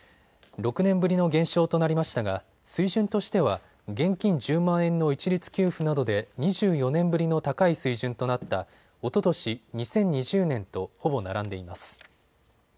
６年ぶりの減少となりましたが水準としては現金１０万円の一律給付などで２４年ぶりの高い水準となったおととし、２０２０年とほぼ並んでいます。